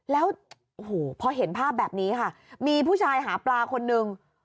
แล้วโอ้โหพอเห็นภาพแบบนี้ค่ะมีผู้ชายหาปลาคนนึง